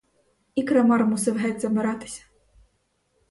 І крамар мусив геть забиратися.